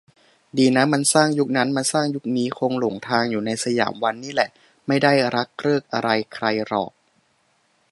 ดีนะมันสร้างยุคนั้น มาสร้างยุคนี้คงหลงทางอยู่ในสยามวันนี่แหละ ไม่ได้รักเริกอะไรใครหรอก